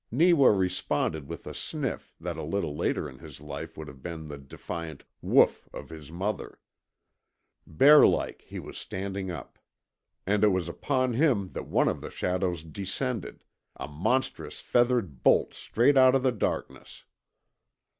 Neewa responded with a sniff that a little later in his life would have been the defiant WHOOF of his mother. Bear like he was standing up. And it was upon him that one of the shadows descended a monstrous feathered bolt straight out of darkness.